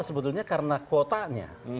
sebetulnya karena kuotanya